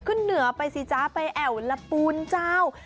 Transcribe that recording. ขึ้นเหนือไปสิจ๊ะไปแอวละปูนเจ้า